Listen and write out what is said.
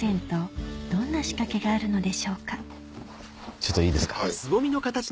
ちょっといいですか？